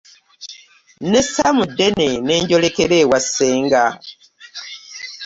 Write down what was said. Nessa mu ddene ne njolekera ewa ssenga.